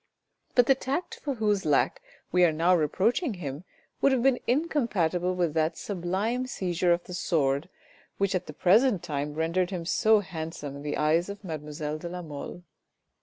But the tact for whose lack we are now reproaching him would have been incompatible with that sublime seizure of the sword, which at the present time rendered him so handsome in the eyes of mademoiselle de la Mole.